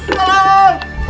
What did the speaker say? jangan bunuh aku